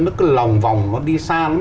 nó cứ lòng vòng nó đi xa lắm